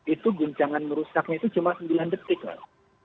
itu guncangan merusaknya itu cuma sembilan detik lah